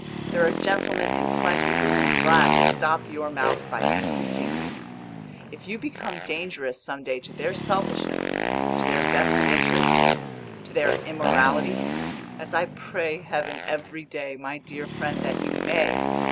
There are gentlemen in plenty who would be glad to stop your mouth by kissing you! If you become dangerous some day to their selfishness, to their vested interests, to their immorality as I pray heaven every day, my dear friend, that you may!